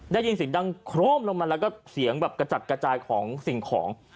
ได้ยินเสียงดังโครมลงมาแล้วก็เสียงแบบกระจัดกระจายของสิ่งของ